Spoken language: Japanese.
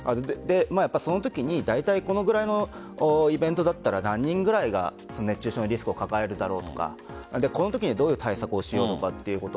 そのときにだいたいこのぐらいのイベントだったら何人ぐらいが熱中症のリスクを抱えるだろうとかこのときには、どういう対策をしようかということ。